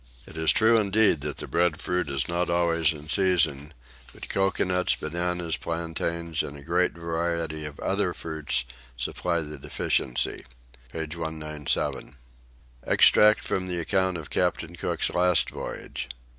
It is true indeed that the breadfruit is not always in season; but coconuts, bananas, plantains, and a great variety of other fruits supply the deficiency. Page 197. EXTRACT FROM THE ACCOUNT OF CAPTAIN COOK'S LAST VOYAGE.